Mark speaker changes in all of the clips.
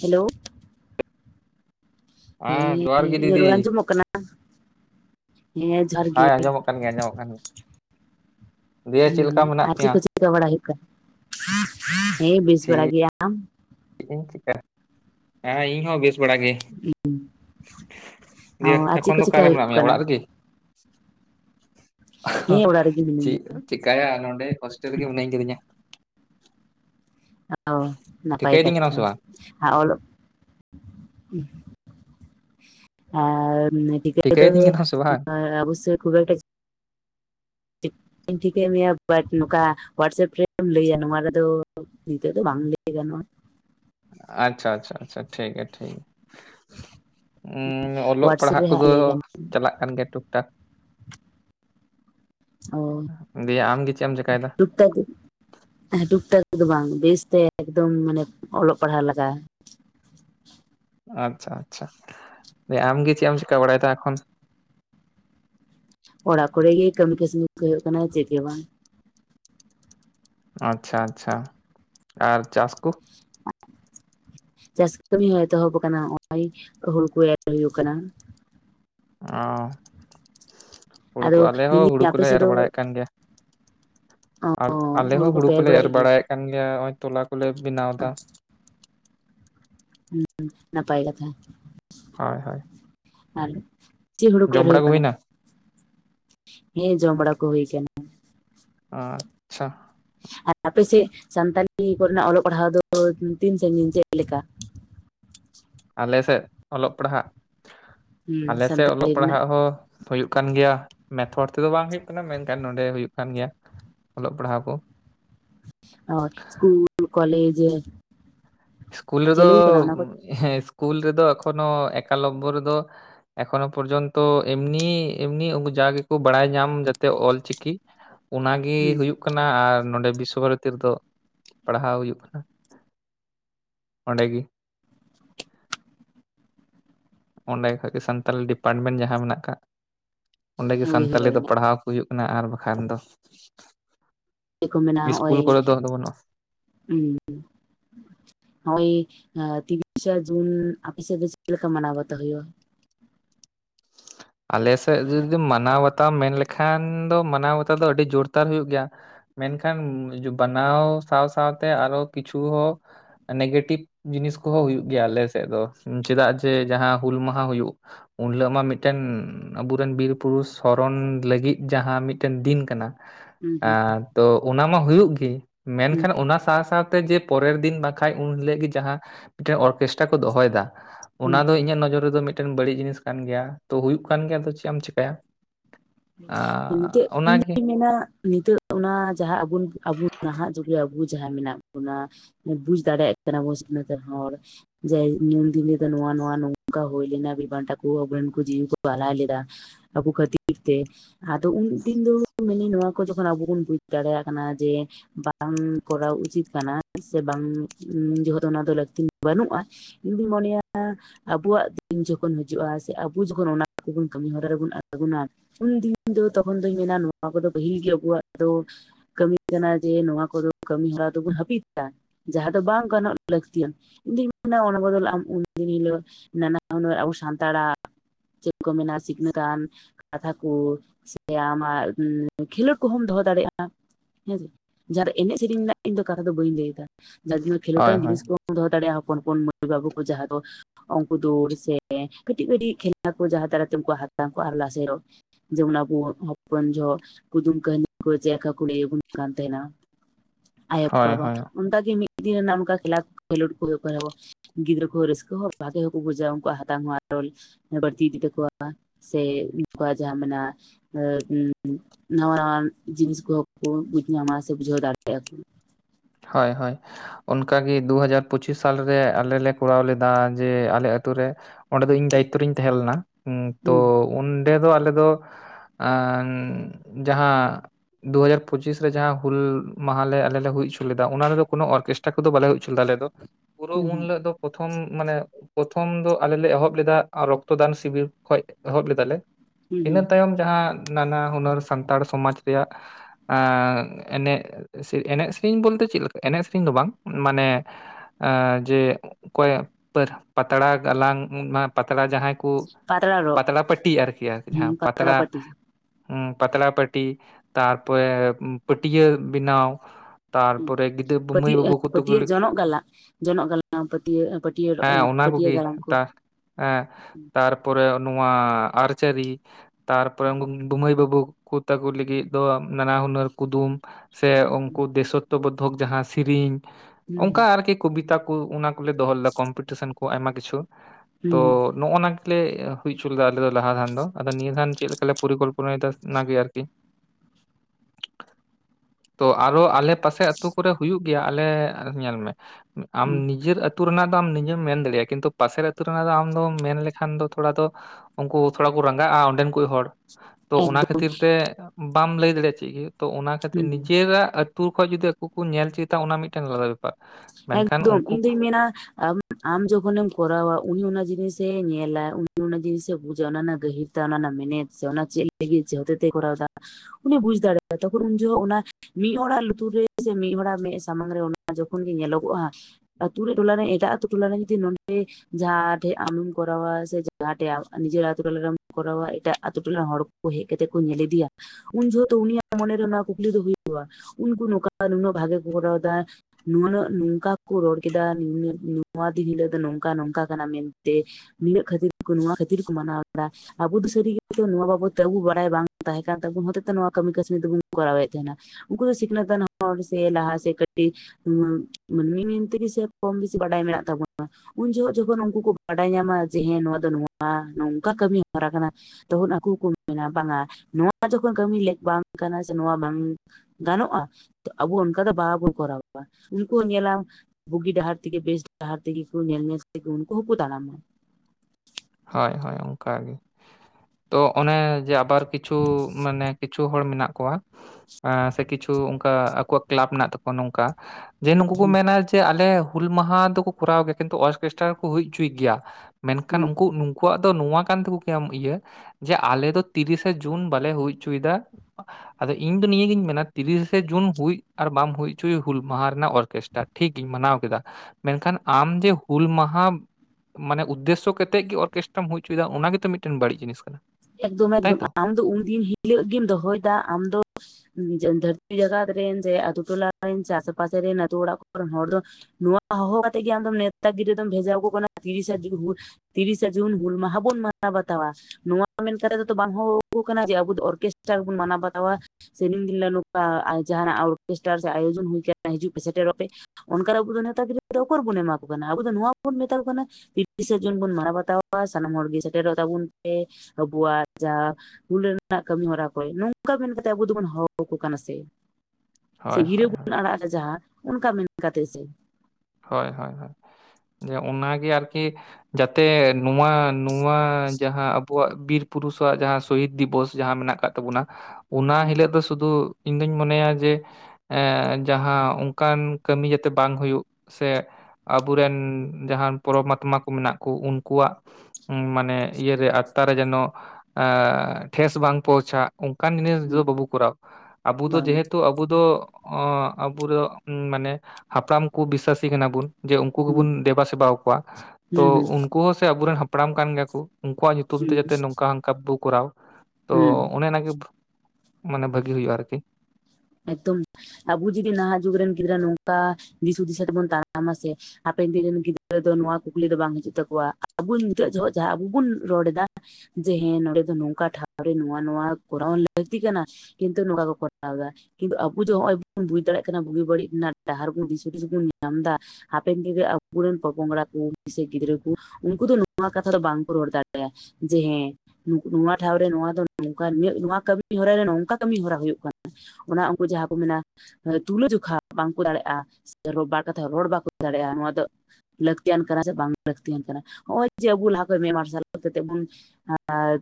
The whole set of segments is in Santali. Speaker 1: ᱦᱮᱞᱳ ᱦᱮᱸ
Speaker 2: ᱡᱚᱦᱟᱨ ᱜᱮ
Speaker 1: ᱤᱧᱟᱜ
Speaker 2: ᱫᱤᱫᱤ
Speaker 1: ᱨᱚᱲ ᱟᱸᱡᱚᱢᱚᱜ ᱠᱟᱱᱟ [unintelligible]
Speaker 2: ᱦᱚᱭ ᱟᱸᱡᱚᱢᱚᱜ ᱠᱟᱱ ᱜᱮᱭᱟ ᱟᱸᱡᱚᱢᱚᱜ ᱠᱟᱱ ᱜᱮᱭᱟ ᱫᱤᱭᱮ ᱪᱮᱫ ᱞᱮᱠᱟ ᱢᱮᱱᱟᱜ ᱢᱮᱭᱟ
Speaker 1: ᱪᱚ ᱵᱟᱲᱟ ᱦᱩᱭᱩᱜ ᱠᱟᱱᱟ ᱦᱮᱸ ᱵᱮᱥ ᱵᱟᱲᱟ ᱜᱮᱭᱟᱢ
Speaker 2: ᱪᱮᱫ ᱤᱧ ᱪᱮᱠᱟ ᱦᱮᱸ ᱤᱧ ᱦᱚᱸ ᱵᱮᱥ ᱵᱟᱲᱟ ᱜᱮ
Speaker 1: ᱚ
Speaker 2: ᱫᱤᱭᱮ
Speaker 1: ᱟᱨ ᱪᱮᱫ
Speaker 2: ᱮᱠᱷᱚᱱ
Speaker 1: ᱠᱚ
Speaker 2: ᱫᱚ
Speaker 1: ᱪᱤᱠᱟ
Speaker 2: ᱚᱠᱟᱨᱮ ᱢᱮᱱᱟᱜ
Speaker 1: ᱦᱩᱭᱩᱜ
Speaker 2: ᱢᱮᱭᱟ
Speaker 1: ᱠᱟᱱᱟ
Speaker 2: ᱚᱲᱟᱜ ᱨᱮᱜᱤ
Speaker 1: ᱦᱮᱸ ᱚᱲᱟᱜ ᱨᱮᱜᱮ
Speaker 2: ᱪᱮ
Speaker 1: ᱢᱤᱱᱟᱹᱧᱟ
Speaker 2: ᱪᱤᱠᱟᱭᱟ ᱱᱚᱰᱮ ᱦᱳᱥᱴᱮᱞ ᱨᱮᱜᱮ ᱢᱤᱱᱟᱹᱧ ᱠᱟᱫᱤᱧᱟ
Speaker 1: ᱚ ᱱᱟᱯᱟᱭ
Speaker 2: ᱴᱷᱤᱠᱟᱹᱭᱤᱫᱤᱧ ᱠᱟᱱᱟᱢ ᱥᱮ ᱵᱟᱝ
Speaker 1: ᱠᱟᱛᱷᱟ ᱚᱞᱚᱜ ᱟᱨ [unintelligible] ᱫᱚ
Speaker 2: ᱴᱷᱤᱠᱟᱹᱭᱤᱫᱤᱧ ᱠᱟᱱᱟᱢ ᱥᱮ ᱵᱟᱝ
Speaker 1: ᱚᱵᱚᱥᱮ ᱠᱷᱩᱵ ᱮᱠᱴᱟ ᱴᱷᱤᱠᱟᱹᱭᱮ ᱢᱮᱭᱟ ᱵᱟᱴ ᱱᱚᱠᱟ ᱦᱳᱣᱟᱴᱥᱮᱯ ᱨᱮᱢ ᱞᱟᱹᱭᱟ ᱱᱚᱣᱟ ᱨᱮᱫᱚ ᱱᱤᱛᱚᱜ ᱫᱚ ᱵᱟᱝ ᱞᱟᱹᱭ ᱜᱟᱱᱚᱜᱼᱟ
Speaker 2: ᱟᱪᱪᱷᱟ ᱟᱪᱪᱷᱟ ᱟᱪᱪᱷᱟ ᱴᱷᱤᱠ ᱜᱮᱭᱟ ᱴᱷᱤᱠ ᱩᱸ ᱚᱞᱚᱜ
Speaker 1: ᱦᱳᱣᱟᱴᱥᱮᱯ
Speaker 2: ᱯᱟᱲᱦᱟᱜ
Speaker 1: ᱨᱮ ᱦᱟᱸᱜ
Speaker 2: ᱠᱚᱫᱚ
Speaker 1: ᱞᱟᱹᱭ ᱜᱟᱱᱚᱜᱼᱟ
Speaker 2: ᱪᱟᱞᱟᱜ ᱠᱟᱱ ᱜᱮᱭᱟ ᱴᱩᱠ ᱴᱟᱠ
Speaker 1: ᱚ
Speaker 2: ᱫᱤᱭᱮ ᱟᱢᱜᱮ ᱪᱮᱫ ᱮᱢ ᱪᱮᱠᱟᱭᱮᱫᱟ
Speaker 1: ᱴᱩᱠ ᱴᱟᱠ ᱦᱮ ᱴᱩᱠ ᱴᱟᱠ ᱛᱮᱫᱚ ᱵᱟᱝ ᱵᱮᱥᱛᱮ ᱮᱠᱫᱚᱢ ᱢᱟᱱᱮ ᱚᱞᱚᱜ ᱯᱟᱲᱦᱟᱜ ᱞᱟᱜᱟ
Speaker 2: ᱟᱪᱪᱷᱟ ᱟᱪᱪᱷᱟ ᱟᱢᱜᱮ ᱪᱮᱫ ᱮᱢ ᱪᱤᱠᱟ ᱵᱟᱲᱟᱭ ᱫᱟ ᱮᱠᱷᱚᱱ
Speaker 1: ᱚᱲᱟᱜ ᱠᱚᱨᱮ ᱜᱮ ᱠᱟᱹᱢᱤ ᱠᱟᱥᱱᱤ ᱦᱩᱭᱩᱜ ᱠᱟᱱᱟ ᱪᱮᱫ ᱜᱮ ᱵᱟᱝ
Speaker 2: ᱟᱪᱪᱷᱟ ᱟᱪᱪᱷᱟ ᱟᱨ ᱪᱟᱥ ᱠᱚ
Speaker 1: ᱪᱟᱥ ᱠᱟᱹᱢᱤ ᱦᱚᱸ ᱮᱛᱚᱦᱚᱵ ᱠᱟᱱᱟ ᱱᱚᱜ ᱚᱭ ᱦᱩᱲᱩ ᱠᱚ ᱮᱨ ᱦᱩᱭᱩᱜ ᱠᱟᱱᱟ
Speaker 2: ᱚ ᱦᱩᱲᱩ
Speaker 1: ᱟᱫᱚ
Speaker 2: ᱠᱚ ᱟᱞᱮ ᱦᱚᱸ
Speaker 1: ᱢᱮᱱᱫᱟᱹᱧ
Speaker 2: ᱦᱩᱲᱩ
Speaker 1: ᱟᱯᱮ
Speaker 2: ᱠᱚᱞᱮ
Speaker 1: ᱥᱮᱫ
Speaker 2: ᱮᱨ
Speaker 1: ᱫᱚ
Speaker 2: ᱵᱟᱲᱟᱭᱮ ᱠᱟᱱ ᱜᱮᱭᱟ
Speaker 1: ᱚ
Speaker 2: ᱟᱨ ᱟᱞᱮ ᱦᱚᱸ ᱦᱩᱲᱩ ᱠᱚᱞᱮ ᱮᱨ ᱵᱟᱲᱟᱭᱮᱫ ᱠᱟᱱ ᱜᱮᱭᱟ ᱱᱚᱜ ᱚᱭ ᱛᱚᱞᱟ ᱠᱚᱞᱮ ᱵᱮᱱᱟᱣᱫᱟ
Speaker 1: ᱦᱩᱸ ᱱᱟᱯᱟᱭ ᱠᱟᱛᱷᱟ
Speaker 2: ᱦᱳᱭ ᱦᱳᱭ
Speaker 1: ᱟᱨ ᱪᱮᱫ ᱦᱩᱲᱩ ᱠᱚ
Speaker 2: ᱡᱚᱢ
Speaker 1: ᱮᱨ
Speaker 2: ᱵᱟᱲᱟ
Speaker 1: ᱦᱩᱭᱩᱜ ᱠᱟᱱᱟ
Speaker 2: ᱦᱩᱭᱱᱟ
Speaker 1: ᱦᱮᱸ ᱡᱚᱢ ᱵᱟᱲᱟ ᱠᱚ ᱦᱩᱭ ᱠᱟᱱᱟ
Speaker 2: ᱟᱪᱪᱷᱟ
Speaker 1: ᱟᱨ ᱟᱯᱮ ᱥᱮᱫ ᱥᱟᱱᱛᱟᱞᱤ ᱠᱚᱨᱮᱱᱟᱜ ᱚᱞᱚᱜ ᱯᱟᱲᱦᱟᱣ ᱫᱚ ᱛᱤᱱ ᱥᱟᱺᱜᱤᱧ ᱪᱮᱫ ᱞᱮᱠᱟ
Speaker 2: ᱟᱞᱮ ᱥᱮᱫ ᱚᱞᱚᱜ ᱯᱟᱲᱦᱟᱜ
Speaker 1: ᱦᱩᱸ
Speaker 2: ᱟᱞᱮ ᱥᱮᱫ ᱚᱞᱚᱜ
Speaker 1: ᱥᱟᱱᱛᱟᱲᱤ ᱨᱮᱱᱟᱜ
Speaker 2: ᱯᱟᱲᱦᱟᱜ ᱦᱚ ᱦᱩᱭᱩᱜ ᱠᱟᱱ ᱜᱮᱭᱟ ᱢᱮᱛᱷᱳᱰ ᱛᱮᱫᱚ ᱵᱟᱝ ᱦᱩᱭᱩᱜ ᱠᱟᱱᱟ ᱢᱮᱱᱠᱷᱟᱱ ᱱᱚᱰᱮ ᱦᱩᱭᱩᱜ ᱠᱟᱱ ᱜᱮᱭᱟ ᱚᱞᱚᱜ ᱯᱟᱲᱦᱟᱣ ᱠᱚ
Speaker 1: ᱥᱠᱩᱞ ᱠᱚᱞᱮᱡᱽ
Speaker 2: ᱤᱥᱠᱩᱞ ᱨᱮᱫᱚ
Speaker 1: ᱪᱟᱹᱞᱩ ᱟᱠᱟᱱᱟ ᱚᱱᱟ ᱠᱚ
Speaker 2: ᱦᱮᱸ ᱤᱥᱠᱩᱞ ᱨᱮᱫᱚ ᱮᱠᱷᱚᱱᱚ ᱮᱠᱟᱞ ᱱᱚᱢᱵᱚᱨ ᱨᱮᱫᱚ ᱮᱠᱷᱚᱱᱚ ᱯᱚᱨᱡᱚᱱᱛᱚ ᱮᱢᱱᱤ ᱮᱢᱱᱤ ᱩᱱᱠᱩ ᱡᱟ ᱜᱮᱠᱚ ᱵᱟᱲᱟᱭ ᱧᱟᱢ ᱡᱟ ᱛᱮ ᱚᱞ ᱪᱤᱠᱤ ᱚᱱᱟᱜᱮ
Speaker 1: ᱦᱩᱸ
Speaker 2: ᱦᱩᱭᱩᱜ ᱠᱟᱱᱟ ᱟᱨ ᱱᱚᱰᱮ ᱵᱤᱥᱥᱚ ᱵᱷᱟᱨᱚᱛᱤ ᱨᱮᱫᱚ ᱯᱟᱲᱦᱟᱣ ᱦᱩᱭᱩᱜ ᱠᱟᱱᱟ ᱚᱸᱰᱮ ᱜᱤ ᱚᱸᱰᱮ ᱠᱷᱚᱡ ᱥᱟᱱᱛᱟᱞᱤ ᱰᱤᱯᱟᱴᱢᱮᱱᱴ ᱡᱟᱦᱟᱸ ᱢᱮᱱᱟᱜ ᱟᱠᱟᱜ ᱚᱸᱰᱮᱜᱮ
Speaker 1: ᱦᱳᱭ
Speaker 2: ᱥᱟᱱᱛᱟᱞᱤ
Speaker 1: ᱦᱳᱭ
Speaker 2: ᱫᱚ ᱯᱟᱲᱦᱟᱣ ᱦᱩᱭᱩᱜ ᱠᱟᱱᱟ ᱟᱨ ᱵᱟᱠᱷᱟᱱ ᱫᱚ
Speaker 1: ᱪᱮᱫ ᱠᱚ ᱢᱮᱱᱟ
Speaker 2: ᱤᱥᱠᱩᱞ
Speaker 1: ᱱᱚᱜᱼᱚᱭ
Speaker 2: ᱠᱚᱨᱮ ᱫᱚ ᱵᱟᱹᱱᱩᱜᱼᱟ᱾
Speaker 1: ᱦᱩᱸ ᱱᱚᱭ ᱛᱤᱨᱤᱥᱟ ᱡᱩᱱ ᱟᱯᱮᱥᱮᱫ ᱫᱚ ᱪᱮᱫ ᱞᱮᱠᱟ ᱢᱟᱱᱟᱣ ᱵᱟᱛᱟᱣ ᱦᱩᱭᱩᱜᱼᱟ?
Speaker 2: ᱟᱞᱮ ᱥᱮᱫ ᱡᱩᱫᱤ ᱢᱟᱱᱟᱣ ᱵᱟᱛᱟᱣ ᱢᱮᱱ ᱞᱮᱠᱷᱟᱱ ᱫᱚ ᱢᱟᱱᱟᱣ ᱵᱟᱛᱟᱣ ᱫᱚ ᱟᱹᱰᱤ ᱡᱩᱨ ᱛᱟᱨ ᱦᱩᱭᱩᱜ ᱜᱮᱭᱟ ᱢᱮᱱᱠᱷᱟᱱ ᱵᱟᱱᱟᱣ ᱥᱟᱶ ᱥᱟᱶᱛᱮ ᱟᱨᱚ ᱠᱤᱪᱷᱩ ᱦᱚ ᱱᱮᱜᱮᱴᱤᱵᱷ ᱡᱤᱱᱤᱥ ᱠᱚᱦᱚᱸ ᱦᱩᱭᱩᱜ ᱜᱮᱭᱟ ᱟᱞᱮ ᱥᱮᱫ ᱫᱚ ᱪᱮᱫᱟᱜ ᱡᱮ ᱡᱟᱦᱟᱸ ᱦᱩᱞ ᱢᱟᱦᱟ ᱦᱩᱭᱩᱜ ᱩᱱ ᱦᱤᱞᱳᱜ ᱢᱟ ᱢᱤᱫ ᱢᱤᱫᱴᱮᱱ ᱟᱵᱩᱨᱮᱱ ᱵᱤᱨ ᱵᱩᱨᱩ ᱥᱚᱨᱚᱱ ᱞᱟᱹᱜᱤᱫ ᱡᱟᱦᱟᱸ ᱢᱤᱫᱴᱮᱱ ᱫᱤᱱ ᱠᱟᱱᱟ
Speaker 1: ᱦᱩᱸ ᱦᱩᱸ
Speaker 2: ᱛᱚ ᱚᱱᱟ ᱢᱟ ᱦᱩᱭᱩᱜ ᱜᱮ
Speaker 1: ᱦᱩᱸ
Speaker 2: ᱢᱮᱱᱠᱷᱟᱱ ᱚᱱᱟ ᱥᱟᱶᱼ ᱥᱟᱶᱛᱮ ᱡᱮ ᱯᱚᱨᱮᱨ ᱫᱤᱱ ᱵᱟᱠᱷᱟ ᱩᱱ ᱦᱤᱞᱳᱜ ᱜᱮ ᱡᱟᱦᱟᱸ ᱢᱤᱫᱴᱮᱱ ᱚᱨᱠᱮᱥᱴᱨᱟ ᱠᱚ ᱫᱚᱦᱚᱭᱮᱫᱟ
Speaker 1: ᱦᱩᱸ
Speaker 2: ᱚᱱᱟ ᱫᱚ ᱤᱧᱟᱹᱜ ᱱᱚᱡᱚᱨ ᱨᱮᱫᱚ ᱢᱤᱫᱴᱮᱱ ᱵᱟᱹᱲᱤᱡ ᱡᱤᱱᱤᱥ ᱠᱟᱱ ᱜᱮᱭᱟ ᱛᱳ ᱦᱩᱭᱩᱜ ᱠᱟᱱ ᱜᱮᱭᱟ ᱛᱚ ᱪᱮᱫ ᱮᱢ ᱪᱤᱠᱟᱭᱟ
Speaker 1: ᱱᱤᱛᱚᱜ [unintelligible] ᱤᱧ ᱢᱮᱱᱟ ᱾ ᱱᱤᱛᱚᱜ ᱚᱱᱟ ᱡᱟᱦᱟᱸ ᱟᱵᱚ, ᱟᱵᱚ ᱱᱟᱦᱟᱜ ᱡᱩᱜᱽ ᱨᱮ ᱟᱵᱚ ᱡᱟᱦᱟᱸ ᱢᱮᱱᱟᱜ ᱵᱚᱱᱟ ᱵᱩᱡᱽ ᱫᱟᱲᱮᱭᱟᱜ ᱠᱟᱱᱟ ᱵᱚᱱ ᱥᱤᱠᱷᱱᱟᱹᱛ ᱟᱱ ᱦᱚᱲ ᱾ ᱡᱮ ᱱᱩᱱ ᱫᱤᱱ ᱨᱮᱫᱚ ᱱᱚᱣᱟ ᱱᱚᱣᱟ ᱱᱚᱝᱠᱟ ᱦᱩᱭ ᱞᱮᱱᱟ ᱵᱤᱵᱟᱱᱴᱟ ᱠᱚ ᱟᱵᱚᱨᱮᱱᱠᱩ ᱡᱤᱣᱤ ᱠᱚ ᱟᱞᱟᱭ ᱞᱮᱫᱟ ᱾ ᱟᱵᱚ ᱠᱷᱟᱛᱤ ᱤᱨ ᱛᱮ ᱟᱫᱚ ᱩᱱᱟᱹᱜ ᱫᱤᱱ ᱫᱚ ᱢᱟᱱᱮ ᱱᱚᱣᱟ ᱠᱚ ᱡᱚᱠᱷᱚᱱ ᱟᱵᱚ ᱵᱚᱱ ᱵᱩᱡᱽ ᱫᱟᱲᱮᱭᱟᱜ ᱠᱟᱱᱟ ᱡᱮ ᱵᱟᱝ ᱠᱚᱨᱟᱣ ᱩᱪᱤᱛ ᱠᱟᱱᱟ ᱥᱮ ᱵᱟᱝ ᱩᱱᱤ ᱡᱚᱦᱚᱜ ᱫᱚ ᱚᱱᱟ ᱫᱚ ᱞᱟᱹᱠᱛᱤ ᱵᱟᱹᱱᱩᱜᱼᱟ᱾ ᱤᱧ ᱫᱩᱧ ᱢᱚᱱᱮᱭᱟ ᱟᱵᱩᱣᱟᱜ ᱫᱤᱱ ᱡᱚᱠᱷᱚᱱ ᱦᱤᱡᱩᱜᱼᱟ ᱥᱮ ᱟᱵᱚ ᱡᱚᱠᱷᱚᱱ ᱚᱱᱟ ᱠᱟᱹᱢᱤ ᱦᱚᱨᱟ ᱨᱮᱵᱚᱱ ᱟᱬᱜᱚᱱᱟ ᱩᱱᱫᱤᱱ ᱫᱚ ᱛᱚᱠᱷᱚᱱ ᱫᱚᱧ ᱢᱮᱱᱟ ᱱᱚᱣᱟ ᱠᱚᱫᱚ ᱯᱟᱹᱦᱤᱞ ᱜᱮ ᱟᱵᱚᱣᱟᱜ ᱫᱚ ᱠᱟᱹᱢᱤ ᱠᱟᱱᱟ ᱡᱮ ᱱᱚᱣᱟ ᱠᱚᱫᱚ ᱠᱟᱹᱢᱤ ᱦᱚᱨᱟ ᱫᱚᱵᱚᱱ ᱦᱟᱹᱯᱤᱫᱟ ᱡᱟᱦᱟᱸ ᱫᱚ ᱵᱟᱝ ᱜᱟᱱᱚᱜ ᱞᱟᱹᱠᱛᱤᱭᱟᱱ ᱾ ᱤᱧ ᱫᱩᱧ ᱢᱮᱱᱟ ᱚᱱᱟ ᱵᱚᱫᱚᱞ ᱩᱱ ᱫᱤᱱ ᱦᱤᱞᱳᱜ ᱱᱟᱱᱟᱦᱩᱱᱟᱹᱨ ᱟᱵᱚ ᱥᱟᱱᱛᱟᱲᱟᱜ ᱪᱮᱫ ᱠᱚ ᱢᱮᱱᱟ ᱥᱤᱠᱷᱱᱟᱹᱛ ᱟᱱ ᱾ ᱠᱟᱛᱷᱟ ᱠᱚ ᱥᱮ ᱟᱢᱟᱜ ᱠᱷᱮᱞᱳᱰ ᱠᱚᱦᱚᱸᱢ ᱫᱚᱦᱚ ᱫᱟᱲᱮᱜᱼᱟ ᱾ ᱦᱮᱸᱥᱮ ᱡᱟᱦᱟᱸ ᱮᱱᱮᱡ ᱥᱮᱨᱮᱧ ᱨᱮᱱᱟᱜ ᱤᱧ ᱫᱚ ᱠᱟᱛᱷᱟ ᱫᱚ ᱵᱟᱹᱧ ᱞᱟᱹᱭᱫᱟ ᱡᱟᱦᱟᱸ ᱠᱷᱮᱞᱳᱰ
Speaker 2: ᱦᱳᱭ
Speaker 1: ᱨᱮᱱ
Speaker 2: ᱦᱳᱭ
Speaker 1: ᱡᱤᱱᱤᱥ ᱠᱚ ᱫᱚᱦᱚ ᱫᱟᱲᱮᱜᱼᱟ, ᱦᱚᱯᱚᱱ ᱯᱚᱱ ᱢᱟᱹᱭ ᱵᱟᱹᱵᱩ ᱠᱚ ᱡᱟᱦᱟᱸ ᱫᱚ ᱳᱝᱠᱳ ᱫᱚ ᱥᱮ ᱠᱟᱹᱴᱤᱡ ᱠᱟᱹᱴᱤᱡ ᱠᱷᱮᱞᱱᱟ ᱠᱩ ᱡᱟᱦᱟᱸ ᱫᱟᱨᱟᱭ ᱛᱮ ᱩᱱᱠᱩᱣᱟᱜ ᱦᱟᱛᱟᱝ ᱠᱚ ᱟᱨᱚ ᱞᱟᱥᱮᱨᱚᱜ ᱾ ᱡᱮᱢᱚᱱ ᱟᱵᱚ ᱦᱚᱯᱚᱱ ᱡᱚᱦᱚᱜ ᱠᱩᱫᱩᱢ ᱠᱟᱹᱦᱱᱤ ᱠᱚ ᱪᱮ ᱟᱠᱟ ᱠᱩ ᱞᱮᱭ ᱵᱚᱱ ᱠᱟᱱ ᱛᱟᱦᱮᱱᱟ ᱾
Speaker 2: ᱦᱳᱭ
Speaker 1: ᱟᱭᱳᱼᱵᱟᱵᱟ
Speaker 2: ᱦᱳᱭ
Speaker 1: ᱚᱱᱠᱟᱜ ᱜᱮ ᱢᱤᱫ ᱫᱤᱱ ᱨᱮᱱᱟᱜ ᱚᱱᱠᱟ ᱠᱷᱮᱞᱟ ᱠᱷᱮᱞᱳᱰ ᱠᱚ ᱦᱩᱭᱩᱜ ᱠᱟᱱᱟᱵᱚ ᱜᱤᱫᱽᱨᱟᱹ ᱠᱚᱦᱚᱸ ᱨᱟᱹᱥᱠᱟᱹ ᱦᱚᱸ ᱵᱷᱟᱜᱮ ᱦᱚᱸᱠᱚ ᱵᱩᱡᱟ ᱩᱱᱠᱩᱣᱟᱜ ᱦᱟᱛᱟᱝ ᱦᱚᱸ ᱟᱨᱚᱞ ᱵᱟᱹᱲᱛᱤ ᱤᱫᱤ ᱛᱟᱠᱚᱣᱟ ᱥᱮ ᱩᱱᱩᱠᱩᱣᱟᱜ ᱡᱟᱦᱟᱸ ᱢᱮᱱᱟᱜ ᱾ ᱱᱟᱣᱟ ᱱᱟᱣᱟ ᱡᱤᱱᱤᱥ ᱠᱚᱦᱚᱸ ᱠᱚ ᱧᱟᱢᱟ ᱥᱮ ᱵᱩᱡᱷᱟᱹᱣ ᱫᱟᱲᱮᱜ ᱟᱠᱚ ᱾
Speaker 2: ᱦᱳᱭ ᱦᱳᱭ ᱾ ᱚᱱᱠᱟᱜᱮ ᱫᱩ ᱦᱟᱡᱟᱨ ᱯᱚᱸᱪᱤᱥ ᱥᱟᱞᱨᱮ ᱟᱞᱮ ᱞᱮ ᱠᱚᱨᱟᱣ ᱞᱮᱫᱟ ᱡᱮ ᱟᱞᱮ ᱟᱹᱛᱩ ᱨᱮ ᱚᱸᱰᱮ ᱫᱚ ᱤᱧ ᱫᱟᱭᱤᱛᱛᱚ ᱨᱤᱧ ᱛᱟᱦᱮᱸ ᱞᱮᱱᱟ, ᱛᱚ
Speaker 1: ᱦᱩᱸ
Speaker 2: ᱚᱸᱰᱮ ᱫᱚ ᱟᱞᱮ ᱫᱚ ᱮᱸᱻ ᱡᱟᱦᱟᱸ ᱫᱩᱦᱟᱡᱟᱨ ᱯᱚᱸᱪᱤᱥ ᱨᱮ ᱡᱟᱦᱟᱸ ᱦᱩᱞ ᱢᱟᱦᱟᱞᱮ ᱟᱞᱮ ᱞᱮ ᱦᱩᱭ ᱦᱚᱪᱚ ᱞᱮᱫᱟ ᱚᱱᱟ ᱨᱮᱫᱚ ᱠᱳᱱᱳ ᱚᱨᱠᱮᱥᱴᱨᱟ ᱠᱚᱫᱚ ᱵᱟᱞᱮ ᱦᱩᱭ ᱦᱚᱪᱚ ᱞᱮᱫᱟ ᱟᱞᱮ ᱫᱚ ᱯᱩᱨᱟᱹ
Speaker 1: ᱦᱩᱸ
Speaker 2: ᱩᱱ ᱦᱤᱞᱳ ᱫᱚ ᱯᱨᱚᱛᱷᱚᱢ ᱢᱟᱱᱮ ᱯᱨᱚᱛᱷᱚᱢ ᱫᱚ ᱟᱞᱮᱞ ᱞᱮ ᱮᱦᱚᱵ ᱞᱮᱫᱟ ᱨᱚᱠᱛᱚᱫᱟᱱ ᱥᱤᱵᱤᱨ ᱠᱷᱚᱱ ᱮᱦᱚᱵ ᱞᱮᱫᱟᱞᱮ,
Speaker 1: ᱦᱩᱸ
Speaker 2: ᱤᱱᱟᱹ
Speaker 1: ᱦᱩᱸ
Speaker 2: ᱛᱟᱭᱚᱢ ᱡᱟᱦᱟᱸ ᱱᱟᱱᱟ ᱦᱩᱱᱟᱹᱨ ᱥᱟᱱᱛᱟᱲ ᱥᱚᱢᱟᱡᱽ ᱨᱮᱭᱟᱜ ᱟᱸ ᱮᱱᱮᱡ [unintelligible] ᱮᱱᱮᱡ ᱥᱮᱨᱮᱧ ᱵᱚᱞᱛᱮ ᱪᱮᱫ ᱞᱮᱠᱟ ᱮᱱᱮᱡ ᱥᱮᱨᱮᱧ ᱫᱚ ᱵᱟᱝ ᱢᱟᱱᱮ ᱡᱮ ᱚᱠᱚᱭ ᱯᱟᱹᱨ ᱯᱟᱛᱲᱟ ᱜᱟᱞᱟᱝ ᱯᱟᱛᱲᱟ ᱡᱟᱦᱟᱸᱭ ᱠᱚ ᱠᱩ ᱯᱟᱛᱲᱟ ᱯᱟᱹᱴᱤᱼᱟ ᱟᱨᱠᱤ
Speaker 1: ᱦᱩᱸ
Speaker 2: ᱡᱟᱦᱟᱸ ᱯᱟᱛᱲᱟ
Speaker 1: ᱯᱟᱹᱴᱤ
Speaker 2: ᱯᱟᱛᱲᱟ ᱯᱟᱹᱴᱤ ᱛᱟᱨᱯᱚᱨᱮ ᱯᱟᱹᱴᱭᱟᱹ ᱵᱮᱱᱟᱣ ᱾
Speaker 1: ᱯᱟᱹᱴᱭᱟᱹ
Speaker 2: ᱛᱟᱠᱚ
Speaker 1: ᱯᱟᱹᱴᱭᱟᱹ ᱡᱚᱱᱚᱜ ᱜᱟᱞᱟᱝ ᱡᱚᱱᱚᱜ ᱜᱟᱞᱟᱝ ᱯᱟᱹᱴᱭᱟᱹ
Speaker 2: ᱦᱮᱸ ᱚᱱᱟ
Speaker 1: ᱯᱟᱹᱴᱭᱟᱹ
Speaker 2: ᱠᱚᱜᱮ
Speaker 1: ᱜᱟᱞᱟᱝ ᱠᱚ
Speaker 2: ᱛᱟ ᱦᱮᱸ
Speaker 1: ᱦᱩᱸ
Speaker 2: ᱛᱟᱨᱯᱚᱨᱮ ᱱᱚᱣᱟ ᱟᱨᱪᱟᱨᱤ ᱛᱟᱨᱯᱚᱨᱮ ᱢᱟᱹᱭ ᱵᱟᱹᱵᱩ ᱠᱚ ᱛᱟᱠᱚ ᱞᱟᱹᱜᱤᱫ ᱫᱚ ᱱᱟᱱᱟ ᱦᱩᱱᱟᱹᱨ ᱠᱩᱫᱩᱢ ᱥᱮ
Speaker 1: ᱦᱩᱸ
Speaker 2: ᱩᱱᱠᱩ ᱫᱮᱥᱳ ᱵᱫᱷᱚᱠ ᱡᱟᱦᱟᱸ ᱥᱮᱨᱮᱧ
Speaker 1: ᱦᱩᱸ
Speaker 2: ᱚᱱᱠᱟ ᱟᱨᱠᱤ ᱠᱚᱵᱤᱛᱟ ᱠᱚ ᱚᱱᱟ ᱠᱚᱞᱮ ᱫᱚᱦᱚ ᱞᱮᱫᱟ ᱠᱚᱢᱯᱤᱴᱤᱥᱚᱱ ᱠᱚ ᱟᱭᱢᱟ ᱠᱤᱪᱷᱩ ᱾
Speaker 1: ᱦᱩᱸ ᱾
Speaker 2: ᱱᱚᱜ ᱚᱱᱟ ᱜᱮᱞᱮ ᱦᱩᱭ ᱦᱚᱪᱚ ᱞᱮᱫᱟ ᱟᱞᱮ ᱫᱚ ᱞᱟᱦᱟ ᱫᱷᱟᱱ ᱫᱚ ᱟᱫᱚ ᱱᱤᱭᱟᱹ ᱫᱷᱟᱱ ᱪᱮᱫ ᱞᱮᱠᱟᱞ ᱞᱮ ᱯᱚᱨᱤᱠᱚᱞᱯᱚᱱᱟᱭ ᱮᱫᱟ ᱚᱱᱟ ᱜᱮ ᱟᱨᱠᱤ ᱾
Speaker 1: [unintelligible]
Speaker 2: ᱛᱚ ᱟᱨᱚ ᱟᱞᱮ ᱯᱟᱥᱮ ᱟ ᱟᱹᱛᱩ ᱠᱚᱨᱮ ᱦᱩᱭᱩᱜ ᱜᱮᱭᱟ, ᱟᱞᱮ ᱧᱮᱞ ᱢᱮ ᱟᱢ
Speaker 1: ᱦᱩᱸ
Speaker 2: ᱱᱤᱡᱮᱨ ᱟᱹᱛᱩ ᱨᱮᱱᱟᱜ ᱫᱚ ᱟᱢ ᱱᱤᱡᱮᱢ ᱢᱮᱱ ᱫᱟᱲᱮᱭᱟᱜᱼᱟ ᱠᱤᱱᱛᱩ ᱯᱟᱥᱮᱨ ᱟᱹᱛᱩ ᱨᱮᱱᱟᱜ ᱫᱚ ᱟᱢ ᱫᱚ ᱢᱮᱱ ᱞᱮᱠᱷᱟᱱ ᱫᱚ ᱛᱷᱚᱲᱟ ᱫᱚ ᱩᱱᱠᱩ ᱛᱷᱚᱲᱟᱠᱩ ᱨᱟᱸᱜᱟᱜᱼᱟ ᱚᱸᱰᱮᱱ ᱠᱩᱡ ᱦᱚᱲ ᱾ ᱛᱚ ᱚᱱᱟ
Speaker 1: ᱮᱠᱫᱚᱢ
Speaker 2: ᱠᱷᱟᱹᱛᱤᱨ ᱛᱮ ᱵᱟᱢ ᱞᱟᱹᱭ ᱫᱟᱲᱮᱭᱟᱜᱼᱟ ᱪᱮᱫ ᱜᱮ ᱛᱚ ᱚᱱᱟ ᱠᱷᱟᱹᱛᱤᱨ
Speaker 1: ᱦᱩᱸ
Speaker 2: ᱱᱤᱡᱮᱨᱟᱜ ᱠᱷᱚᱡ ᱡᱩᱫᱤ ᱟᱠᱚ ᱠᱚ ᱧᱮᱞ ᱪᱮᱫᱟ ᱚᱱᱟ ᱢᱤᱫᱴᱟᱝ ᱟᱞᱟᱫᱟ ᱵᱮᱯᱟ
Speaker 1: ᱮᱠᱫᱚᱢ ᱤᱧᱫᱩᱧ ᱢᱮᱱᱟ [unintelligible] ᱟᱢ ᱡᱚᱠᱷᱚᱱᱮᱢ ᱠᱚᱨᱟᱣᱟ ᱩᱱᱤ ᱚᱱᱟ ᱡᱤᱱᱤᱥᱮ ᱧᱮᱞᱟ ᱩᱱᱤ ᱚᱱᱟ ᱡᱤᱱᱤᱥᱮ ᱵᱩᱡᱟ ᱚᱱᱟ ᱨᱮᱱᱟᱜ ᱜᱟᱹᱦᱤᱨ ᱚᱱᱟ ᱨᱮᱱᱟᱜ ᱢᱮᱱᱮᱛ ᱥᱮ ᱚᱱᱟ ᱪᱮᱫ ᱞᱟᱹᱜᱤᱫ ᱪᱮᱫ ᱦᱚᱛᱮ ᱛᱮ ᱠᱚᱨᱟᱣᱫᱟ? ᱩᱱᱤ ᱵᱩᱡ ᱫᱟᱲᱮᱭᱟᱜᱟᱭᱼᱟ ᱛᱚᱠᱷᱚᱱ ᱩᱱ ᱚᱱᱟ ᱢᱤᱫ ᱦᱚᱲᱟᱜ ᱞᱩᱛᱩᱨ ᱨᱮ ᱥᱮ ᱢᱤᱫ ᱦᱚᱲᱟᱜ ᱢᱮᱫ ᱥᱟᱢᱟᱝ ᱨᱮ ᱚᱱᱟ ᱟᱡᱚᱢ ᱟ᱾ ᱛᱚᱠᱷᱚᱱ ᱜᱮ ᱧᱮᱞᱚᱜᱚᱜᱼᱟ ᱦᱟᱜ ᱟᱛᱩ ᱨᱮ ᱴᱚᱞᱟᱨᱮ ᱮᱴᱟᱜ ᱟᱹᱛᱩ ᱴᱚᱞᱟᱨᱮ ᱢᱤᱴᱤᱫ ᱢᱟᱹᱱᱢᱤ ᱡᱟᱦᱟ ᱴᱷᱮᱜ ᱟᱢᱮᱢ ᱠᱚᱨᱟᱣᱟ ᱥᱮ ᱡᱟᱦᱟ ᱴᱷᱮᱜ ᱱᱤᱡᱮᱨ ᱟᱛᱳ ᱴᱚᱞᱟ ᱠᱚᱨᱟᱣᱟ ᱮᱴᱟᱜ ᱟᱛᱳ ᱴᱚᱞᱟ ᱦᱚᱲ ᱚᱠᱚᱭ ᱦᱮᱡ ᱠᱟᱛᱮ ᱠᱚ ᱧᱮᱞ ᱤᱫᱤᱭᱟ? ᱩᱱ ᱡᱚᱦᱮᱛᱩ ᱩᱱᱤᱭᱟᱜ ᱢᱚᱱᱮᱨᱮ ᱱᱚᱣᱟ ᱠᱩᱠᱞᱤ ᱫᱚ ᱦᱩᱭ ᱠᱚᱜ ᱟ ᱩᱱᱠᱩ ᱱᱚᱝᱠᱟ ᱱᱩᱱᱟᱹᱜ ᱵᱷᱟᱜᱮ ᱠᱚ ᱠᱚᱨᱟᱣ ᱫᱟ᱾ ᱱᱩᱱᱟᱹᱜ ᱱᱚᱝᱠᱟ ᱠᱚ ᱨᱚᱲ ᱠᱮᱫᱟ ᱱᱩᱱᱟᱹᱜ ᱱᱚᱣᱟ ᱤᱫᱤᱠᱟᱛᱮ ᱱᱚᱝᱠᱟ ᱱᱚᱝᱠᱟ ᱠᱟᱱᱟ ᱢᱮᱱᱛᱮ᱾ ᱱᱩᱱᱟᱹᱜ ᱠᱷᱟᱹᱛᱤᱨ ᱱᱚᱣᱟ ᱠᱷᱟᱹᱛᱤᱨ ᱠᱚ ᱢᱟᱱᱟᱣ ᱫᱟ᱾ ᱟᱵᱚ ᱫᱚ ᱥᱟᱹᱨᱤᱜᱮ ᱱᱚᱣᱟ ᱵᱟᱵᱚᱫ ᱠᱟᱹᱢᱤ ᱵᱟᱲᱟᱭ ᱛᱟᱦᱮᱫ ᱦᱚᱛᱮ ᱛᱮ ᱱᱚᱣᱟ ᱠᱟᱹᱢᱤ ᱠᱟᱹᱥᱱᱤ ᱛᱮᱵᱚᱱ ᱠᱚᱨᱟᱣᱮᱫ ᱛᱟᱦᱮᱱᱟ᱾ ᱚᱠᱚᱭ ᱥᱤᱠᱷᱱᱟᱹᱛᱟᱱ ᱦᱚᱲ ᱥᱮ ᱞᱟᱦᱟ ᱥᱮᱫ ᱠᱟᱹᱴᱤᱡ ᱦᱩᱸ ᱢᱟᱹᱱᱢᱤ ᱢᱮᱱ ᱛᱮᱜᱮ ᱥᱮ ᱠᱚᱢ ᱵᱮᱥᱤ ᱵᱟᱰᱟᱭ ᱢᱮᱱᱟᱜ ᱛᱟᱵᱚᱱᱟ᱾ ᱩᱱ ᱡᱚᱦᱚᱜ ᱡᱚᱠᱷᱚᱱ ᱩᱱᱠᱩ ᱠᱚ ᱵᱟᱰᱟᱭ ᱧᱟᱢᱟ ᱡᱮ ᱦᱮᱸ ᱱᱚᱣᱟ ᱫᱚ ᱱᱚᱣᱟ ᱱᱚᱝᱠᱟ ᱠᱟᱹᱢᱤ ᱦᱚᱨᱟ ᱠᱟᱱᱟ᱾ ᱛᱚᱠᱷᱚᱱ ᱟᱠᱚ ᱦᱚᱠᱚ ᱢᱮᱱᱟ ᱵᱟᱝᱟ ᱱᱚᱣᱟ ᱡᱚᱠᱷᱚᱱ ᱠᱟᱹᱢᱤ ᱞᱮᱜ ᱵᱟᱝ ᱠᱟᱱᱟ ᱥᱮ ᱱᱚᱣᱟ ᱵᱟᱝ ᱜᱟᱱᱚᱜᱼᱟ ᱟᱵᱚ ᱚᱱᱠᱟ ᱜᱮ ᱵᱟᱦᱟ ᱵᱚᱱ ᱠᱚᱨᱟᱣᱟ ᱩᱱᱠᱩᱭᱟᱜ ᱧᱮᱞᱟᱢ ᱵᱩᱜᱤ ᱰᱟᱦᱟᱨ ᱛᱮᱜᱮ ᱵᱮᱥ ᱰᱟᱦᱟᱨ ᱛᱮᱜᱮ ᱠᱚ ᱧᱮᱞ ᱧᱮᱞ ᱛᱮᱜᱮ ᱩᱱᱠᱩ ᱦᱚᱸᱠᱚ ᱛᱟᱲᱟᱢᱟ᱾
Speaker 2: ᱦᱚᱭ ᱦᱚᱭ ᱚᱱᱠᱟᱜᱮ ᱛᱚ ᱚᱱᱮ ᱡᱮ ᱟᱵᱟᱨ ᱠᱤᱪᱷᱩ ᱢᱟᱱᱮ ᱠᱤᱪᱷᱩ ᱦᱚᱲ ᱢᱮᱱᱟᱜ ᱠᱚᱣᱟ ᱥᱮ ᱠᱤᱪᱷᱩ ᱚᱱᱠᱟ ᱟᱠᱚᱣᱟᱜ ᱠᱮᱞᱟᱯ ᱢᱮᱱᱟᱜ ᱛᱟᱠᱚᱣᱟ᱾ ᱚᱱᱚ ᱚᱝᱠᱟ ᱡᱮ ᱱᱩᱠᱩ ᱠᱚ ᱢᱮᱱᱟ ᱡᱮ ᱟᱞᱮ ᱦᱩᱞ ᱢᱟᱦᱟ ᱫᱚᱠᱚ ᱠᱚᱨᱟᱣ ᱜᱮᱭᱟ ᱠᱤᱱᱛᱩ ᱚᱨᱠᱮᱥᱴᱟᱨᱠᱚ ᱦᱩᱭ ᱦᱚᱪᱚᱭ ᱜᱮᱭᱟ ᱢᱮᱱᱠᱷᱟᱱ ᱱᱩᱠᱩᱣᱟᱜ ᱫᱚ ᱱᱚᱣᱟ ᱠᱟᱱ ᱛᱟᱠᱚᱭᱟ ᱟᱢ ᱤᱭᱟᱹ? ᱡᱮ ᱟᱞᱮ ᱫᱚ ᱛᱤᱨᱤᱥᱮ ᱡᱩᱱ ᱵᱟᱞᱮ ᱦᱩᱭ ᱦᱚᱪᱚᱭᱮᱫᱟ᱾ ᱟᱫᱚ ᱤᱧ ᱫᱚ ᱱᱤᱭᱟᱹᱜᱤᱧ ᱢᱮᱱᱟ ᱛᱤᱨᱤᱥᱮ ᱡᱩᱱ ᱦᱩᱭ ᱟᱨ ᱵᱟᱢ ᱦᱩᱭ ᱦᱚᱪᱚᱭ ᱦᱩᱞ ᱢᱟᱦᱟ ᱨᱮᱱᱟᱜ ᱚᱨᱠᱮᱥᱴᱟᱨ᱾ ᱴᱷᱤᱠᱜᱤᱧ ᱢᱟᱱᱟᱣ ᱠᱮᱫᱟ ᱢᱮᱱᱠᱷᱟᱱ ᱟᱢ ᱡᱮ ᱦᱩᱞ ᱢᱟᱦᱟ ᱢᱟᱱᱮ ᱩᱫᱽᱫᱮᱥᱥᱚ ᱛᱮᱜ ᱜᱮ ᱚᱨᱠᱮᱥᱴᱨ ᱮᱢ ᱦᱩᱭ ᱚᱪᱚᱭᱮᱫᱟ ᱚᱱᱟ ᱜᱮᱛᱚ ᱢᱤᱫᱴᱮᱱ ᱵᱟᱹᱲᱤᱡ ᱡᱤᱱᱤᱥ ᱠᱟᱱᱟ᱾
Speaker 1: ᱮᱠᱫᱚᱢ ᱮᱠᱫᱚᱢ
Speaker 2: ᱛᱟᱭᱛᱚ
Speaker 1: ᱟᱢ ᱫᱚ ᱩᱱᱫᱤᱱ ᱦᱤᱞᱳᱜ ᱜᱮᱢ ᱫᱚᱦᱚᱭᱮᱫᱟ ᱟᱢ ᱫᱚ [unintelligible] ᱫᱷᱟᱹᱨᱛᱤ ᱡᱟᱠᱟᱛ ᱨᱮᱱ ᱡᱮ ᱟᱹᱛᱩ ᱴᱚᱞᱟ ᱨᱮᱱ ᱥᱮ ᱟᱥᱮ ᱯᱟᱥᱮ ᱨᱮᱱ ᱟᱹᱛᱩ ᱚᱲᱟᱜ ᱠᱚᱨᱮᱱ ᱦᱚᱲ ᱫᱚ ᱱᱚᱣᱟ ᱦᱚᱦᱚ ᱠᱟᱛᱮ ᱜᱮ ᱟᱢᱫᱚᱢ ᱱᱮᱣᱛᱟ ᱜᱤᱨᱟᱹ ᱫᱚᱢ ᱵᱷᱮᱡᱟ ᱟᱠᱚ ᱠᱟᱱᱟ ᱛᱤᱨᱤᱥᱟ ᱡᱩᱱ᱾ ᱾ ᱛᱤᱨᱤᱥᱮ ᱡᱩᱱ ᱦᱩᱞ ᱢᱟᱦᱟ ᱵᱚᱱ ᱢᱟᱱᱟᱣ ᱵᱟᱛᱟᱣᱟ᱾ ᱱᱚᱣᱟ ᱢᱮᱱ ᱠᱟᱛᱮ ᱫᱚ ᱵᱟᱝᱦᱚᱦᱚᱣᱟᱠᱚ ᱠᱟᱱᱟ ᱡᱮ ᱟᱵᱚ ᱫᱚ ᱚᱨᱠᱮᱥᱴᱟᱨ ᱵᱚᱱ ᱢᱟᱱᱟᱣ ᱵᱟᱛᱟᱣᱟ? ᱥᱮ ᱱᱩᱱ ᱫᱤᱱ ᱦᱤᱞᱳᱜ ᱱᱚᱝᱠᱟ ᱟᱨ ᱡᱟᱦᱟᱱᱟᱜ ᱚᱨᱠᱮᱥᱴᱟᱨ ᱥᱮ ᱟᱭᱳᱡᱚᱱ ᱦᱩᱭ ᱟᱠᱟᱱᱟ ᱦᱤᱡᱩᱜ ᱯᱮ ᱥᱮᱴᱮᱨᱚᱜᱯᱮ᱾ ᱚᱱᱠᱟᱨᱮ ᱟᱵᱚ ᱫᱚ ᱱᱮᱛᱟ ᱜᱤᱨᱟᱹ ᱩᱠᱩᱨ ᱵᱚᱱ ᱮᱢᱟ ᱠᱚ ᱠᱟᱱᱟ ᱟᱵᱚ ᱫᱚ ᱱᱚᱣᱟ ᱠᱚᱵᱚᱱ ᱢᱮᱛᱟ ᱠᱚ ᱠᱟᱱᱟ ᱛᱤᱨᱤᱥᱮ ᱡᱩᱱ ᱵᱚᱱ ᱢᱟᱱᱟᱣ ᱵᱟᱛᱟᱣᱟ ᱥᱟᱱᱟᱢ ᱦᱚᱲᱜᱮ ᱥᱮᱴᱮᱨᱚᱜ ᱛᱟᱵᱚᱱ ᱯᱮ ᱟᱵᱚᱣᱟᱜ ᱡᱟ ᱦᱩᱞ ᱨᱮᱱᱟᱜ ᱠᱟᱹᱢᱤ ᱦᱚᱨᱟ ᱠᱚ ᱱᱚᱝᱠᱟ ᱢᱮᱱ ᱠᱟᱛᱮᱫ ᱟᱵᱚ ᱫᱚᱵᱚᱱ ᱦᱚᱦᱚᱣᱟ ᱟᱠᱚ ᱠᱟᱱᱟ ᱥᱮ᱾ ᱥᱮ
Speaker 2: ᱦᱳᱭ ᱦᱳᱭ ᱦᱳᱭ
Speaker 1: ᱜᱤᱨᱟᱹᱵᱩᱱ ᱟᱲᱟᱜ ᱫᱟ ᱡᱟᱦᱟ ᱚᱱᱠᱟ ᱢᱮᱱ ᱠᱟᱛᱮ ᱥᱮ᱾
Speaker 2: ᱦᱳᱭ ᱦᱳᱭ ᱚᱱᱟᱜᱮ ᱟᱨᱠᱤ ᱡᱟᱛᱮ ᱱᱚᱣᱟ ᱱᱚᱣᱟ ᱡᱟᱦᱟ ᱟᱵᱚᱣᱟᱜ ᱵᱤᱨ ᱯᱩᱨᱩᱥᱟᱜ ᱡᱟᱦᱟ ᱥᱚᱦᱤᱫ ᱫᱤᱵᱚᱥ ᱡᱟᱦᱟ ᱢᱮᱱᱟᱜ ᱟᱠᱟᱫ ᱛᱟᱵᱚᱱᱟ ᱚᱱᱟ ᱦᱤᱞᱳᱜ ᱫᱚ ᱥᱩᱫᱩ ᱤᱧ ᱫᱩᱧ ᱢᱚᱱᱮᱭᱟ ᱡᱮ ᱡᱟᱦᱟ ᱚᱱᱠᱟᱱ ᱠᱟᱹᱢᱤ ᱡᱟᱛᱮ ᱵᱟᱝ ᱦᱩᱭᱩᱜ᱾ ᱥᱮ ᱟᱵᱚᱨᱮᱱ ᱡᱟᱦᱟᱱ ᱯᱚᱨᱢᱟᱛᱢᱟ ᱠᱚ ᱢᱮᱱᱟᱜ ᱠᱚ ᱩᱱᱠᱩᱣᱟᱜ ᱢᱟᱱᱮ ᱤᱭᱟᱹᱨᱮ ᱟᱛᱛᱟᱨᱮ ᱡᱮᱱᱚ ᱴᱷᱮᱥ ᱵᱟᱝ ᱯᱳᱣᱪᱷᱟᱜ᱾ ᱚᱱᱠᱟᱱ ᱡᱤᱱᱤᱥ ᱫᱚ ᱵᱟᱵᱩ ᱠᱚᱨᱟᱣ ᱟᱵᱚ ᱫᱚ
Speaker 1: ᱵᱟᱝ
Speaker 2: ᱡᱮᱦᱮᱛᱩ ᱟᱵᱩ ᱫᱚᱜ ᱟᱵᱩ ᱫᱚᱜ ᱢᱟᱱᱮ ᱦᱟᱯᱲᱟᱢ ᱠᱚ ᱵᱤᱥᱟᱹᱥᱤ ᱠᱟᱱᱟ ᱵᱚᱱ᱾ ᱡᱮ ᱩᱱᱠᱩ
Speaker 1: ᱦᱩᱸ
Speaker 2: ᱜᱮᱵᱚᱱ ᱫᱮᱵᱟ ᱥᱮᱵᱟ ᱠᱚᱣᱟ ᱛᱚ
Speaker 1: ᱦᱩᱸ
Speaker 2: ᱩᱱᱠᱩ ᱦᱚᱸ ᱥᱮ ᱟᱵᱚᱨᱮᱱ ᱦᱟᱯᱲᱟᱢ ᱠᱟᱱ ᱜᱮᱭᱟ ᱠᱚ᱾ ᱩᱱᱠᱩᱣᱟᱜ ᱧᱩᱛᱩᱢ ᱛᱮ
Speaker 1: ᱦᱩᱸ
Speaker 2: ᱡᱟᱛᱮ ᱱᱚᱝᱠᱟ ᱦᱟᱱᱠᱟ ᱵᱚ ᱠᱚᱨᱟᱣ ᱛᱚ
Speaker 1: ᱦᱩᱸ
Speaker 2: ᱚᱱᱮ ᱚᱱᱟᱜᱮ᱾ ᱢᱟᱱᱮ ᱵᱷᱟᱹᱜᱤ ᱦᱩᱭᱩ ᱟ ᱟᱨᱠᱤ᱾
Speaker 1: ᱮᱠᱫᱚᱢ ᱟᱵᱚ ᱡᱩᱫᱤ ᱱᱟᱦᱟᱜ ᱡᱩᱜᱽ ᱨᱮᱱ ᱜᱤᱫᱽᱨᱟᱹ ᱱᱚᱝᱠᱟ ᱫᱤᱥ ᱦᱩᱫᱤᱥ ᱛᱮᱵᱚᱱ ᱛᱟᱲᱟᱢᱟ ᱥᱮ ᱦᱟᱯᱮᱱ ᱫᱤᱱ ᱨᱮᱱ ᱜᱤᱫᱽᱨᱟᱹ ᱫᱚ ᱱᱚᱣᱟ ᱠᱩᱠᱞᱤ ᱫᱚ ᱵᱟᱝ ᱦᱤᱡᱩᱜ ᱛᱟᱠᱚᱣᱟ ᱟᱵᱚ ᱱᱤᱛᱚᱜ ᱡᱚᱦᱚᱜ ᱡᱟᱦᱟ ᱟᱵᱚ ᱵᱚᱱ ᱨᱚᱲ ᱫᱟ ᱡᱮ ᱦᱮᱸ ᱱᱚᱸᱰᱮ ᱫᱚ ᱱᱚᱝᱠᱟ ᱴᱷᱟᱶᱨᱮ ᱱᱚᱣᱟ ᱱᱚᱣᱟ ᱠᱚᱨᱟᱣ ᱞᱟᱹᱠᱛᱤ ᱠᱟᱱᱟ? ᱠᱤᱱᱛᱩ ᱱᱚᱸᱰᱮ ᱠᱚ ᱠᱚᱨᱴᱟᱣᱫᱟ ᱠᱤᱱᱛᱩ ᱟᱵᱚ ᱫᱚ ᱦᱚᱜ ᱚᱭ ᱵᱚᱱ ᱵᱩᱡ ᱫᱟᱲᱮᱭᱟᱜ ᱠᱟᱱᱟ ᱵᱩᱜᱤ ᱵᱟᱹᱲᱤᱡ ᱨᱮᱱᱟᱜ ᱰᱟᱦᱟᱨ ᱵᱚᱱ ᱫᱤᱥ ᱦᱩᱫᱤᱥ ᱵᱚᱱ ᱧᱟᱢ ᱮᱫᱟ ᱦᱟᱯᱮᱱ ᱫᱤᱱᱨᱮᱱ ᱟᱵᱩᱨᱮᱱ ᱯᱚᱯᱚᱝᱲᱟ ᱠᱚ ᱥᱮ ᱜᱤᱫᱽᱨᱟᱹ ᱠᱚ ᱩᱱᱠᱩ ᱫᱚ ᱱᱚᱣᱟ ᱠᱟᱛᱷᱟ ᱫᱚ ᱵᱟᱝᱠᱚ ᱨᱚᱲ ᱫᱟᱲᱮᱭᱟᱜᱼᱟ ᱡᱮ ᱦᱮᱸ ᱱᱚᱣᱟ ᱴᱷᱟᱶᱨᱮ ᱱᱚᱣᱟ ᱫᱚ ᱱᱚᱝᱠᱟ ᱱᱚᱣᱟ ᱠᱟᱹᱢᱤ ᱦᱚᱲᱟᱨᱮ ᱱᱚᱝᱠᱟ ᱠᱟᱹᱢᱤ ᱦᱚᱨᱟ ᱦᱩᱭᱩᱜ ᱠᱟᱱᱟ ᱚᱱᱟ ᱩᱱᱠᱩ ᱡᱟᱦᱟᱸ ᱠᱚ ᱢᱮᱱᱮ ᱛᱩᱞᱟᱹᱡᱚᱠᱷᱟ ᱵᱟᱝᱠᱚ ᱫᱟᱲᱮᱭᱟᱜᱼᱟ ᱥᱮ ᱵᱟᱨ ᱠᱟᱛᱷᱟ ᱨᱚᱲ ᱵᱟᱠᱚ ᱫᱟᱲᱮᱭᱟᱜᱼᱟ ᱱᱚᱣᱟ ᱫᱚ ᱞᱟᱹᱠᱛᱤᱭᱟᱱ ᱠᱟᱱᱟ ᱥᱮ ᱵᱟᱝ ᱞᱟᱹᱠᱛᱤᱭᱟᱱ ᱠᱟᱱᱟ ᱦᱚᱜᱚᱭ ᱡᱮ ᱟᱵᱚ ᱞᱟᱦᱟ ᱠᱷᱚᱱ ᱢᱮᱫ ᱢᱟᱨᱥᱟᱞ ᱠᱟᱛᱮ ᱵᱩᱱ ᱟᱨ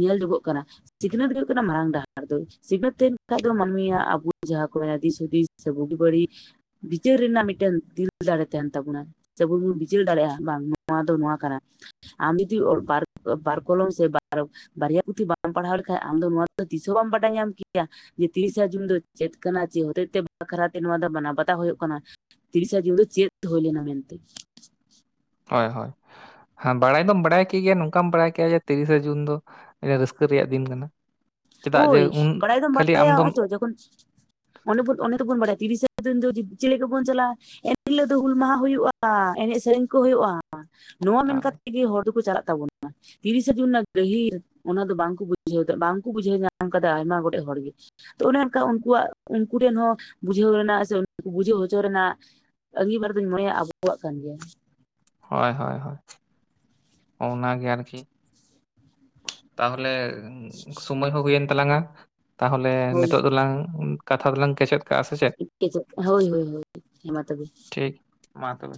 Speaker 1: ᱧᱮᱞ ᱧᱚᱜᱚᱜ ᱠᱟᱱᱟ ᱥᱤᱠᱷᱱᱟᱹᱛ ᱜᱮ ᱦᱩᱭᱩᱜ ᱠᱟᱱᱟ ᱢᱟᱨᱟᱝ ᱰᱟᱦᱟᱨ ᱫᱚ ᱥᱤᱠᱷᱱᱟᱹᱛ ᱛᱟᱦᱮᱱ ᱠᱷᱟᱡ ᱢᱟᱹᱱᱢᱤᱭᱟᱜ ᱟᱵᱚ ᱡᱟᱦᱟᱸ ᱠᱚ ᱢᱮᱱᱟ ᱫᱤᱥᱤᱥ ᱦᱩᱫᱤᱥ ᱥᱮ ᱵᱩᱜᱤ ᱵᱟᱹᱲᱤᱡ ᱵᱤᱪᱟᱹᱨ ᱨᱮᱱᱟᱜ ᱢᱤᱫᱴᱮᱱ ᱫᱤᱞ ᱫᱟᱲᱮ ᱛᱟᱦᱮᱱ ᱛᱟᱵᱚᱱᱟ ᱪᱟᱵᱩ ᱵᱚᱱ ᱵᱤᱪᱟᱹᱨ ᱫᱟᱲᱮᱭᱟᱜᱼᱟ ᱵᱟᱝ ᱱᱚᱣᱟ ᱫᱚ ᱱᱚᱣᱟ ᱠᱟᱱᱟ ᱟᱢ ᱡᱩᱫᱤ ᱚᱞ ᱵᱟᱨ ᱵᱟᱨ ᱠᱚᱞᱚᱢ ᱥᱮ ᱵᱟᱨ ᱵᱟᱨᱭᱟ ᱯᱩᱛᱷᱤ ᱵᱟᱢ ᱯᱟᱲᱦᱟᱣ ᱞᱮᱠᱷᱟᱱ ᱟᱢ ᱫᱚ ᱱᱚᱣᱟ ᱫᱚ ᱛᱤᱥᱦᱚᱸ ᱵᱟᱢ ᱵᱟᱰᱟᱭ ᱧᱟᱢ ᱠᱮᱭᱟ ᱡᱮ ᱛᱤᱨᱤᱥᱟ ᱡᱩᱱ ᱫᱚ ᱪᱮᱫ ᱠᱟᱱᱟ ᱡᱮ ᱦᱚᱛᱮᱡᱛᱮ ᱵᱟᱠᱷᱨᱟᱟᱛᱮ ᱱᱚᱣᱟ ᱫᱚ ᱢᱟᱱᱟᱣ ᱵᱟᱛᱟᱣ ᱦᱩᱭᱩᱜ ᱠᱟᱱᱟ ᱛᱤᱨᱤᱥᱟ ᱡᱩᱱ ᱫᱚ ᱪᱮᱫ ᱦᱳᱭᱞᱮᱱᱟ ᱢᱮᱱᱛᱮ
Speaker 2: ᱦᱳᱭ ᱦᱳᱭ ᱦᱮᱸ ᱵᱟᱲᱟᱭ ᱫᱚᱢ ᱵᱟᱰᱟᱭ ᱠᱮᱜ ᱜᱮᱭᱟ ᱱᱚᱝᱠᱟᱢ ᱵᱟᱲᱟᱭ ᱠᱮᱫᱮᱭᱟ ᱛᱤᱨᱤᱥᱮ ᱡᱩᱱ ᱫᱚ ᱨᱟᱹᱥᱠᱟᱹ ᱨᱮᱭᱟᱜ ᱫᱤᱱ ᱠᱟᱱᱟ ᱪᱮᱫᱟᱜ ᱡᱮ
Speaker 1: ᱦᱳᱭ
Speaker 2: ᱩᱱ
Speaker 1: ᱵᱟᱲᱟᱭ ᱫᱚᱢ
Speaker 2: ᱠᱷᱟᱹᱞᱤ
Speaker 1: ᱵᱟᱲᱟᱭᱟ
Speaker 2: ᱟᱢᱫᱚᱢ
Speaker 1: ᱚᱭ ᱛᱚ ᱡᱚᱠᱷᱚᱱ ᱚᱱᱮ ᱵᱩᱱ ᱚᱱᱮ ᱫᱚᱵᱚᱱ ᱵᱟᱲᱟᱭᱟ ᱛᱤᱨᱤᱥᱮ ᱡᱩᱱ ᱫᱚ ᱪᱤᱞᱤ ᱠᱚᱵᱚᱱ ᱪᱟᱞᱟᱜᱼᱟ ᱮᱱᱦᱤᱞᱳ ᱫᱚ ᱦᱩᱞ ᱢᱟᱦᱟ ᱦᱩᱭᱩᱜᱼᱟ ᱮᱱᱮᱡ ᱥᱮᱨᱮᱧ ᱠᱚ ᱦᱩᱭᱩᱜᱼᱟ ᱱᱚᱣᱟ ᱢᱮᱱ ᱠᱟᱛᱮ ᱜᱮ ᱦᱚᱲ ᱫᱚᱠᱚ ᱪᱟᱞᱟᱜ ᱛᱟᱵᱚᱱᱟ ᱛᱤᱨᱤᱥᱟ ᱡᱩᱱ ᱨᱮᱱᱟᱜ ᱜᱟᱹᱦᱤᱨ ᱚᱱᱟ ᱫᱚ ᱵᱟᱝᱠᱚ ᱵᱩᱡᱷᱟᱹᱣ ᱫᱟ ᱵᱟᱝ ᱠᱚ ᱵᱩᱡᱷᱟᱹᱣ ᱧᱟᱢ ᱠᱟᱫᱟ ᱟᱭᱢᱟ ᱜᱚᱴᱮᱡ ᱦᱚᱲ ᱜᱮ ᱛᱚ ᱚᱱᱮ ᱚᱱᱠᱟ ᱩᱱᱠᱩᱣᱟᱜ ᱩᱱᱠᱩ ᱴᱷᱮᱱ ᱦᱚᱸ ᱵᱩᱡᱷᱟᱹᱣ ᱨᱮᱱᱟᱜ ᱥᱮ ᱵᱩᱡᱷᱟᱹᱣ ᱦᱚᱪᱚ ᱨᱮᱱᱟᱜ ᱟᱸᱜᱤᱵᱟᱨ ᱫᱚᱧ ᱢᱚᱱᱮᱭᱟ ᱟᱵᱚᱣᱟᱜ ᱠᱟᱱ ᱜᱮᱭᱟ
Speaker 2: ᱦᱳᱭ ᱦᱳᱭ ᱦᱳᱭ ᱚᱱᱟᱜᱮ ᱟᱨᱠᱤ ᱛᱟᱦᱚᱞᱮ ᱥᱚᱢᱚᱭ ᱦᱚᱸ ᱦᱩᱭᱮᱱ ᱛᱟᱞᱟᱝᱼᱟ ᱛᱟᱦᱚᱞᱮ
Speaker 1: ᱦᱳᱭ
Speaker 2: ᱱᱤᱛᱚᱜ ᱫᱚᱞᱟᱝ ᱠᱟᱛᱷᱟ ᱫᱚᱞᱟᱝ ᱠᱮᱪᱮᱫ ᱠᱟᱜᱼᱟ ᱥᱮ ᱪᱮᱫ
Speaker 1: ᱦᱳᱭ ᱦᱳᱭ ᱦᱳᱭ ᱢᱟ ᱛᱚᱵᱮ
Speaker 2: ᱴᱷᱤᱠ ᱢᱟ ᱛᱚᱵᱮ